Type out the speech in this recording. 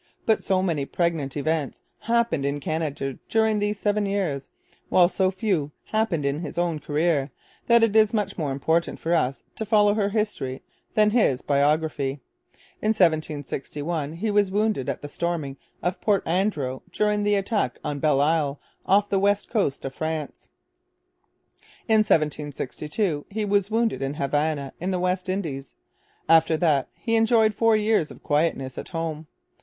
But so many pregnant events happened in Canada during these seven years, while so few happened in his own career, that it is much more important for us to follow her history than his biography. In 1761 he was wounded at the storming of Port Andro during the attack on Belle Isle off the west coast of France. In 1762 he was wounded at Havana in the West Indies. After that he enjoyed four years of quietness at home.